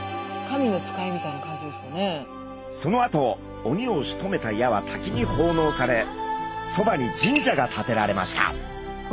そのあと鬼をしとめた矢はたきにほうのうされそばに神社がたてられました。